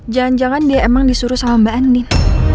jangan jangan dia emang disuruh sama mbak andin